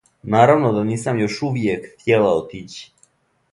Наравно да нисам још увијек хтјела отићи.